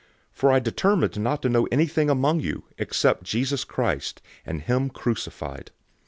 002:002 For I determined not to know anything among you, except Jesus Christ, and him crucified.